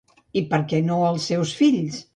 I per què no als seus fills?